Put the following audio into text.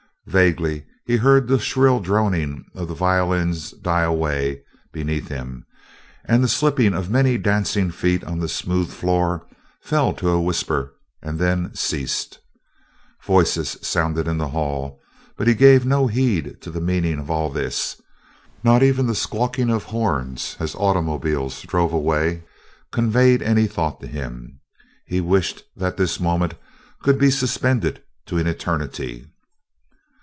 Vaguely he heard the shrill droning of the violins die away beneath him, and the slipping of many dancing feet on a smooth floor fell to a whisper and then ceased. Voices sounded in the hall, but he gave no heed to the meaning of all this. Not even the squawking of horns, as automobiles drove away, conveyed any thought to him; he wished that this moment could be suspended to an eternity.